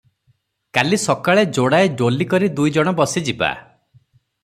କାଲି ସକାଳେ ଯୋଡ଼ାଏ ଡୋଲି କରି ଦୁଇ ଜଣ ବସି ଯିବା ।